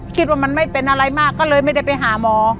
คิดว่ามันไม่เป็นอะไรมากก็เลยไม่ได้ไปหาหมอ